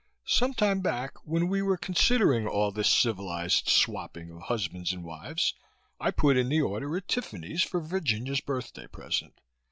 Some time back, when we were considering all this civilized swapping of husbands and wives, I put in the order at Tiffany's for Virginia's birthday present.